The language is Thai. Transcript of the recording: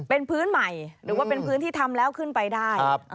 เป็นพื้นใหม่หรือว่าเป็นพื้นที่ทำแล้วขึ้นไปได้